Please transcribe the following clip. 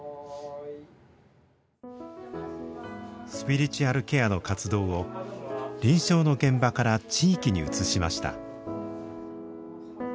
スピリチュアルケアの活動を臨床の現場から地域に移しました。